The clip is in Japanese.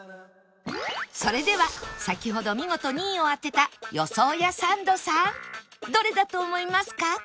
それでは先ほど見事２位を当てた予想屋サンドさんどれだと思いますか？